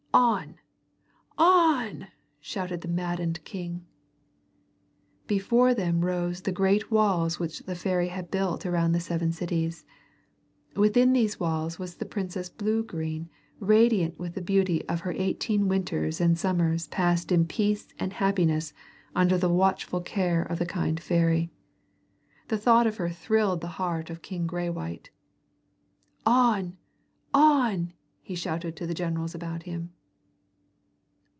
"On! ON!" shouted the maddened king. Before them rose the great walls which the fairy had built around the seven cities. Within these walls was the Princess Bluegreen radiant with the beauty of her eighteen winters and summers passed in peace and happiness under the watchful care of the kind fairy. The thought of her thrilled the heart of King Graywhite. "On! On!" he shouted to the generals about him.